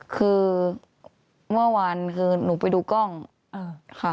คือเมื่อวานคือหนูไปดูกล้องค่ะ